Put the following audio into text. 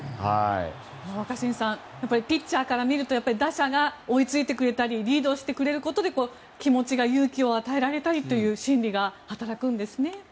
若新さんピッチャーから見ると打者が追い付いてくれたりリードしてくれることで勇気を与えられるという心理が働くんですね。